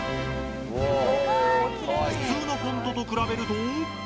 普通のフォントと比べると。